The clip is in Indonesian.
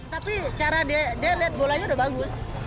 tapi cara dia lihat bolanya udah bagus